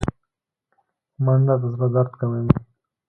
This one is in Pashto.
منډه د زړه درد کموي